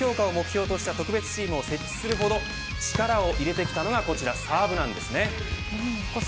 今年からサーブ強化を目標とした特別チームも設置するほど力を入れてきたのがこちら、サーブなんですね。